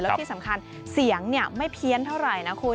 แล้วที่สำคัญเสียงไม่เพี้ยนเท่าไหร่นะคุณ